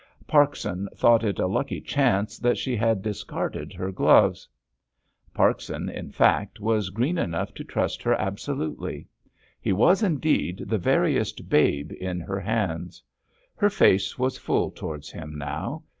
Parkson thought it a lucky chance that she had discarded her gloves. Parkson, in fact, was green enough to trust her absolutely. He was, indeed, the veriest babe in her hands. Her face was full towards him now.